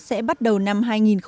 sẽ bắt đầu năm hai nghìn hai mươi